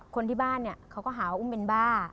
คนที่บ้านเนี่ยเขาก็หาว่าอุ้มเป็นบ้า